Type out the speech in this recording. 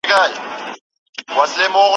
اختره مه راځه په وینو مو روژې ماتي کړې